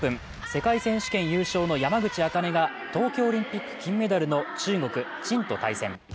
世界選手権優勝の山口茜が東京オリンピック金メダルの中国・陳と対戦。